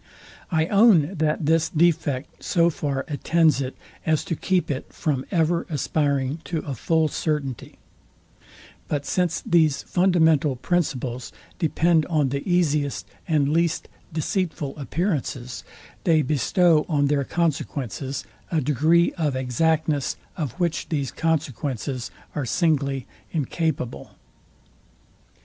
I own that this defect so far attends it, as to keep it from ever aspiring to a full certainty: But since these fundamental principles depend on the easiest and least deceitful appearances, they bestow on their consequences a degree of exactness, of which these consequences are singly incapable.